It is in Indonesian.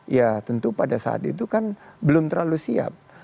ya tentu pada saat itu kan belum terlalu siap